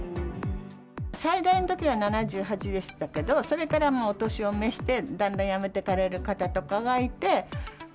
最大のときは７８でしたけど、それからもう、お年を召して、だんだんやめてかれる方とかがいて。